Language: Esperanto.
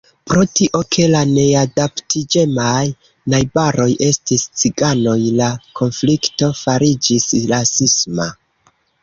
Pro tio, ke la neadaptiĝemaj najbaroj estis ciganoj, la konflikto fariĝis rasisma.